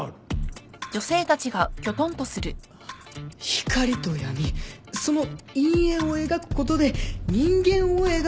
光と闇その陰影を描くことで人間を描くことができる。